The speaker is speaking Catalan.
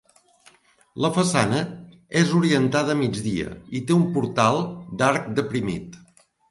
La façana és orientada a migdia i té un portal d'arc deprimit.